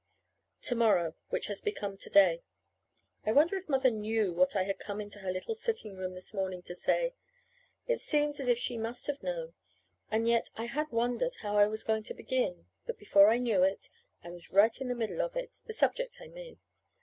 To morrow which has become to day. I wonder if Mother knew what I had come into her little sitting room this morning to say. It seems as if she must have known. And yet I had wondered how I was going to begin, but, before I knew it, I was right in the middle of it the subject, I mean.